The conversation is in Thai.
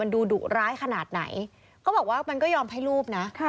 ดูดุร้ายขนาดไหนเขาบอกว่ามันก็ยอมให้รูปนะ